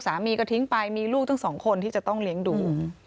บางทีก็ทิ้งไปมีลูกทั้งสองคนที่จะต้องเลี้ยงดู